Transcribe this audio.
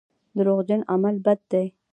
دروغجن عمل بد دی.